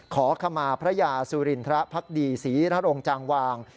ขอขมาพระยาสุรินทร์พระภัคดีศรีณรงจังหวาง